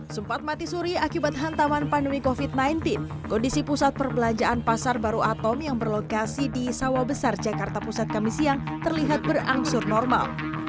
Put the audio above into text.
sempat mati suri akibat hantaman pandemi covid sembilan belas kondisi pusat perbelanjaan pasar baru atom yang berlokasi di sawah besar jakarta pusat kami siang terlihat berangsur normal